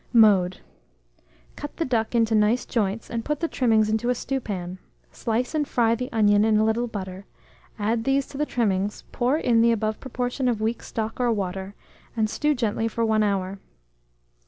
Mode. Cut the duck into nice joints, and put the trimmings into a stewpan; slice and fry the onion in a little butter; add these to the trimmings, pour in the above proportion of weak stock or water, and stew gently for 1 hour.